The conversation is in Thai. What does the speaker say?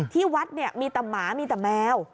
ที่วัดเนี่ยมีแต่หมามีแต่แมว